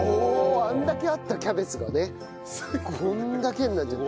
あんだけあったキャベツがねこんだけになっちゃった。